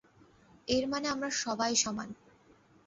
এর মানে আমরা সবাই সমান।